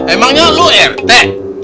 emangnya lu ertek